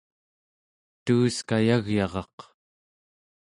tuuskayagyaraq